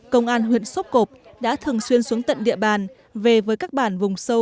công an huyện sốp cộp đã thường xuyên xuống tận địa bàn về với các bản vùng sâu